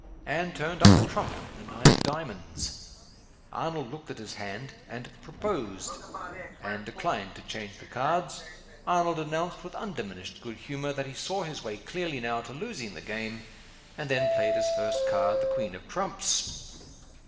Anne turned up the trump the nine of Diamonds. Arnold looked at his hand and "proposed." Anne declined to change the cards. Arnold announced, with undiminished good humor, that he saw his way clearly, now, to losing the game, and then played his first card the Queen of Trumps!